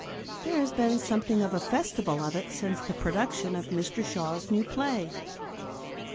There has been something of a festival of it since the production of Mr Shaw's new play.